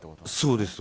そうです。